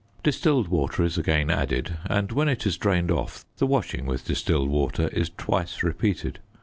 Distilled water is again added and, when it is drained off, the washing with distilled water is twice repeated.